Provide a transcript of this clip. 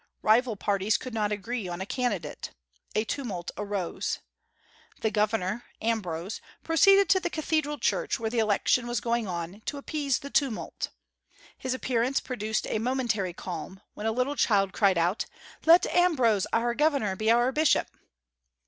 Rival parties could not agree on a candidate. A tumult arose. The governor Ambrose proceeded to the cathedral church, where the election was going on, to appease the tumult. His appearance produced a momentary calm, when a little child cried out, "Let Ambrose our governor be our bishop!"